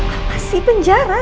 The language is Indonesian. apa sih penjara